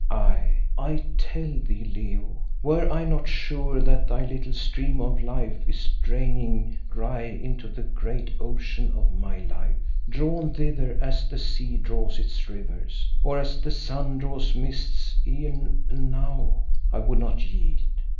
Aye, I tell thee, Leo, were I not sure that thy little stream of life is draining dry into the great ocean of my life, drawn thither as the sea draws its rivers, or as the sun draws mists, e'en now I would not yield.